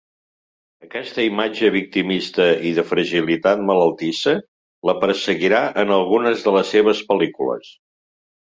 Aquesta imatge victimista i de fragilitat malaltissa la perseguirà en algunes de les seves pel·lícules.